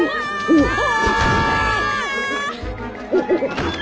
うわ！